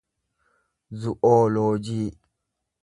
zu'ooloojii